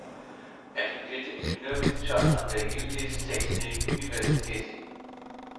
Er studierte Ingenieurwissenschaft an der Yıldız Teknik Üniversitesi.